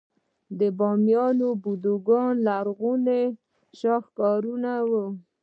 د بامیان بوداګان لرغوني شاهکارونه وو